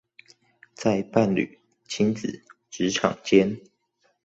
在伴侶、親子、職場間